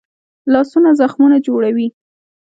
لاسونه زخمونه جوړوي